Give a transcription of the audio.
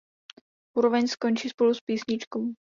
Úroveň skončí spolu s písničkou.